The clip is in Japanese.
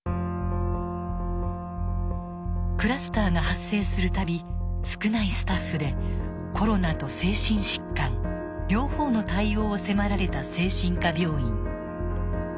クラスターが発生する度少ないスタッフでコロナと精神疾患両方の対応を迫られた精神科病院。